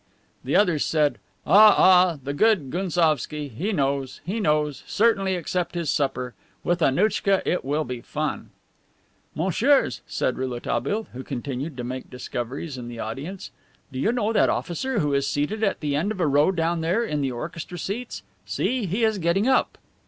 The others said: "Ah, ah, the good Gounsovski. He knows. He knows. Certainly, accept his supper. With Annouchka it will be fun." "Messieurs," asked Rouletabille, who continued to make discoveries in the audience, "do you know that officer who is seated at the end of a row down there in the orchestra seats? See, he is getting up."